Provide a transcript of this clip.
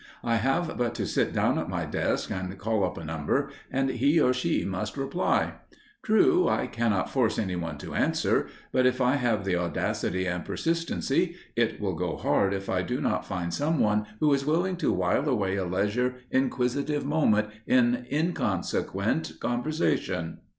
I have but to sit down at my desk and call up a number, and he or she must reply. True, I cannot force any one to answer, but if I have the audacity and persistency, it will go hard if I do not find some one who is willing to while away a leisure, inquisitive moment in inconsequent conversation.